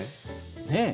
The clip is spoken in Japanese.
ねえ。